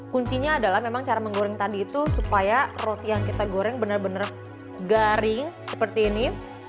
kuncinya adalah memang cara menggoreng tadi itu supaya roti yang kita goreng benar benar garing seperti ini